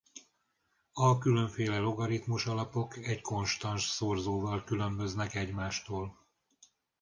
A különféle logaritmus-alapok egy konstans szorzóval különböznek egymástól.